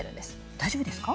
大丈夫ですか？